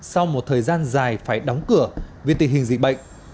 sau một thời gian dài phải đóng cửa vì tình hình dịch bệnh